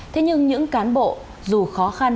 thế nhưng những cán bộ dù khó khăn